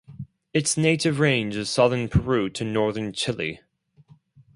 Its native range is southern Peru to northern Chile.